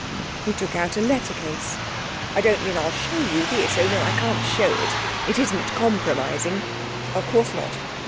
He took out a letter case. 'I don't mean Ill show you this oh no, I can't show it it isn't compromising.' 'Of course not.